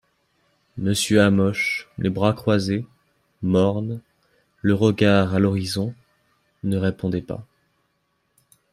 Monsieur Hamoche, les bras croises, morne, le regard a l'horizon, ne répondait pas.